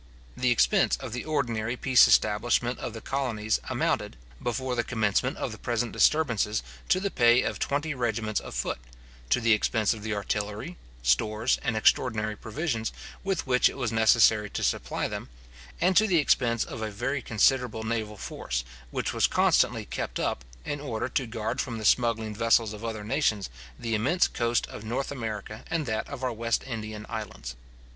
The expense of the ordinary peace establishment of the colonies amounted, before the commencement of the present disturbances to the pay of twenty regiments of foot; to the expense of the artillery, stores, and extraordinary provisions, with which it was necessary to supply them; and to the expense of a very considerable naval force, which was constantly kept up, in order to guard from the smuggling vessels of other nations, the immense coast of North America, and that of our West Indian islands.